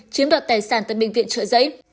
chiếm đoạt tài sản tại bệnh viện trợ giấy